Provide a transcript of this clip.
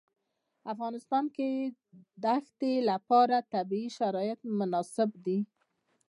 په افغانستان کې د ښتې لپاره طبیعي شرایط مناسب دي.